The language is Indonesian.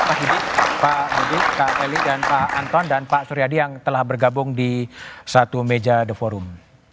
pak budi kak eli pak anton dan pak suryadi yang telah bergabung di satu meja the forum